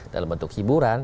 dalam bentuk hiburan